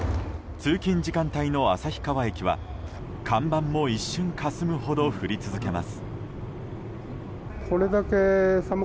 通勤時間帯の旭川駅は看板も一瞬かすむほど降り続けます。